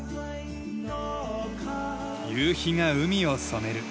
夕日が海を染める。